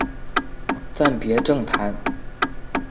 暂别政坛。